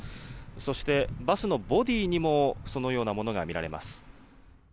そして、バスのボディーにもそのようなものが見られます。